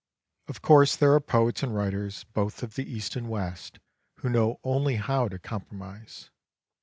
Of course there are poets and writers both of the East and West who know only how to compromise.